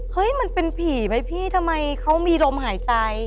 มันเป็นผีไหมพี่ทำไมเขามีลมหายใจ